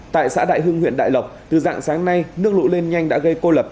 tại xã đại hưng huyện đại lộc từ dạng sáng nay nước lũ lên nhanh đã gây cô lập